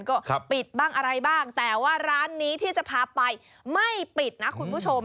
ก็ปิดบ้างอะไรบ้างแต่ว่าร้านนี้ที่จะพาไปไม่ปิดนะคุณผู้ชม